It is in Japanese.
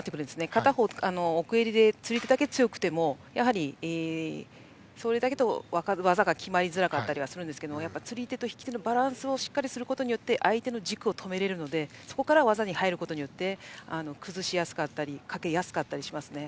片方、奥襟で釣り手だけ強くてもやはり、それだけでは技が決まりづらかったりするんですが釣り手と引き手のバランスをしっかりすることによって相手の軸を止められるのでそこから技に入ることで崩しやすくなったりかけやすくなったりしますね。